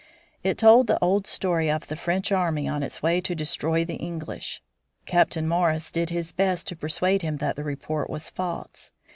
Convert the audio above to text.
It told the old story of the French army on its way to destroy the English. Captain Morris did his best to persuade him that the report was false.